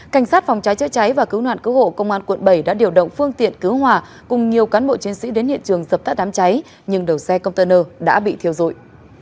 cảnh sát phòng cháy chữa cháy và cứu nạn cứu hộ công an quận bảy đã điều động phương tiện cứu hòa cùng nhiều cán bộ chiến sĩ đến hiện trường dập tắt đám cháy nhưng đầu xe container đã bị thiêu rụi